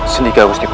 sendika gusti prat